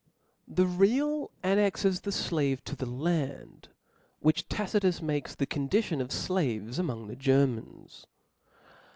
The real annexes the flave to the land, C)^^«* which Tacitus makes Q) the condition of flaves manorum. among the Germans.